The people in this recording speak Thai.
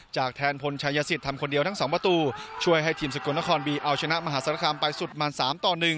แทนพลชายสิทธิ์ทำคนเดียวทั้งสองประตูช่วยให้ทีมสกลนครบีเอาชนะมหาศาลคามไปสุดมัน๓ต่อ๑